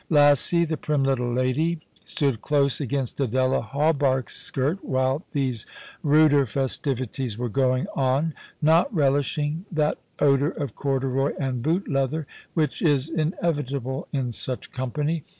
Lassie, the prim little lady, stood close against Adela Hawberk's skirt Avhile these ruder festivities were going on, not relishing that odour of corduroy and boot leather, which is inevi table in such company.